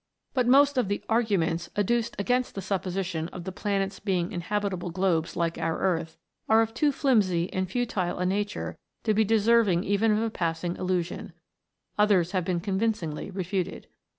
But most of the " arguments" adduced against the supposition of the planets being inhabit able globes like our earth are of too flimsy and futile a nature to be deserving even of a passing allusion ; others have been convincingly refuted.